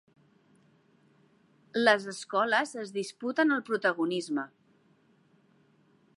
Les escoles es disputen el protagonisme.